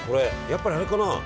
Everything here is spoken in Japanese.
やっぱりあれかな？